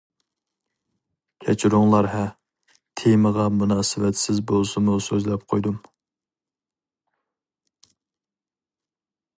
كەچۈرۈڭلار ھە، تېمىغا مۇناسىۋەتسىز بولسىمۇ سۆزلەپ قويدۇم.